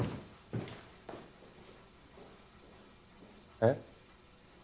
えっ？